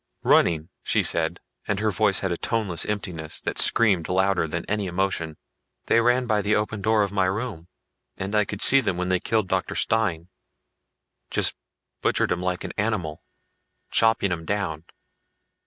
"Running," she said, and her voice had a toneless emptiness that screamed louder than any emotion. "They ran by the open door of my room and I could see them when they killed Dr. Stine. Just butchered him like an animal, chopping him down.